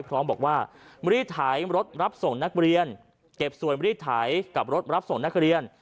พร้อมบอกว่ารีดไถรถรับส่งนักเรียนเก็บส่วนรีดไถกับรถรับส่งนักเรียน